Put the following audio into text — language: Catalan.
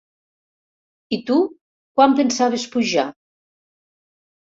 I tu, quan pensaves pujar?